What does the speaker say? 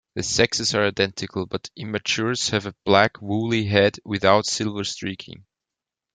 The sexes are identical, but immatures have a black woolly head without silver streaking.